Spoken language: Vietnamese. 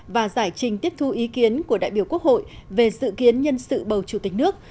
và giải trình tiếp thu ý kiến của đại biểu quốc hội về dự kiến nhân sự bầu chủ tịch nước